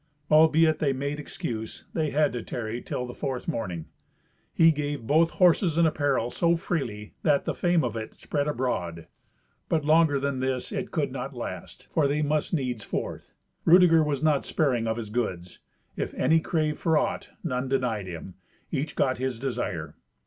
Albeit they made excuse, they had to tarry till the fourth morning. He gave both horses and apparel so freely, that the fame of it spread abroad. But longer than this it could not last, for they must needs forth. Rudeger was not sparing of his goods. If any craved for aught, none denied him. Each got his desire.